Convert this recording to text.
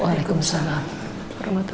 waalaikumsalam warahmatullahi wabarakatuh